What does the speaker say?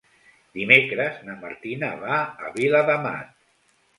Dimecres na Martina va a Viladamat.